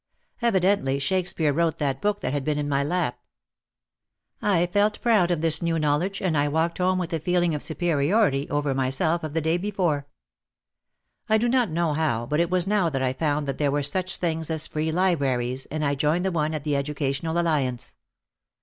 Evidently Shakespeare wrote that book that had been in my lap. I felt proud of this new knowledge and I walked home with a feeling of superiority over myself of the day before. I do not know how but it was now that I found that there were such things as free libraries and I joined the one at the Educational Alliance.